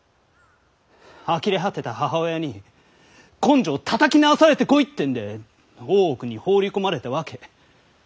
あきれ果てた母親に「根性たたき直されてこい」ってんで大奥に放り込まれたわけ。